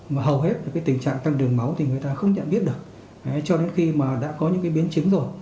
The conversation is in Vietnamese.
mà hầu hết cái tình trạng tăng đường máu thì người ta không nhận biết được cho đến khi mà đã có những cái biến chứng rồi